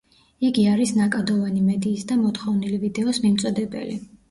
იგი არის ნაკადოვანი მედიის და მოთხოვნილი ვიდეოს მიმწოდებელი.